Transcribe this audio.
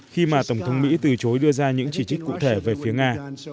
khi mà tổng thống mỹ từ chối đưa ra những chỉ trích cụ thể về phía nga